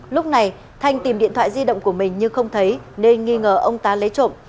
lúc này thanh tìm điện thoại di động của mình nhưng không thấy nên nghi ngờ ông tá lấy trộm